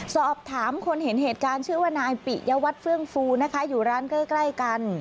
สอบถามคนเห็นเหตุการณ์ชื่อว่านายปิยวัตรเฟื่องฟูนะคะอยู่ร้านใกล้กัน